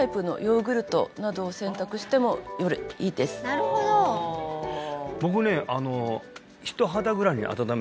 なるほど僕ね